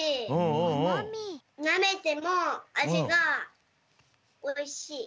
なめてもあじがおいしい。